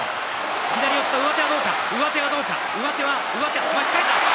左四つと上手はどうか上手はどうか、上手巻き替えた。